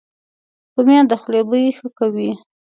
رومیان د خولې بوی ښه کوي